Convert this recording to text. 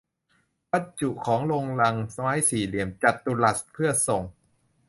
บรรจุของลงลังไม้สี่เหลี่ยมจัตุรัสเพื่อส่ง